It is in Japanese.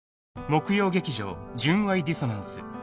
［木曜劇場『純愛ディソナンス』］